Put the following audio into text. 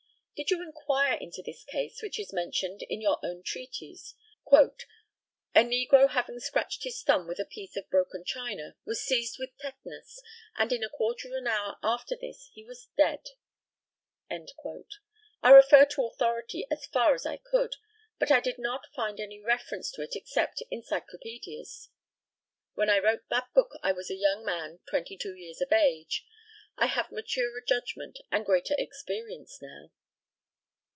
Did you inquire into this case which is mentioned in your own treatise "A negro having scratched his thumb with a piece of broken china, was seized with tetanus, and in a quarter of an hour after this he was dead?" I referred to authority as far as I could, but I did not find any reference to it except in Cyclopædias. When I wrote that book I was a young man 22 years of age. I have maturer judgment and greater experience now.